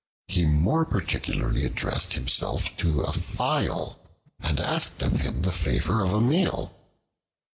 He more particularly addressed himself to a File, and asked of him the favor of a meal.